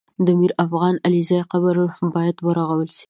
د میرافغان علیزي قبر باید ورغول سي